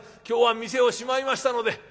今日は店をしまいましたので。